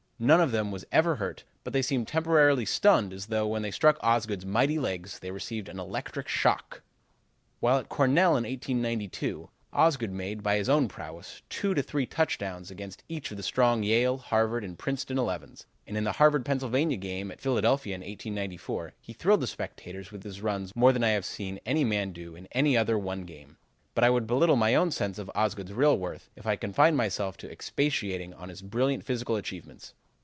None of them was ever hurt, but they seemed temporarily stunned as though, when they struck Osgood's mighty legs, they received an electric shock. "While at Cornell in 1892, Osgood made, by his own prowess, two to three touchdowns against each of the strong Yale, Harvard and Princeton elevens, and in the Harvard Pennsylvania game at Philadelphia in 1894, he thrilled the spectators with his runs more than I have ever seen any man do in any other one game. "But I would belittle my own sense of Osgood's real worth if I confined myself to expatiating on his brilliant physical achievements.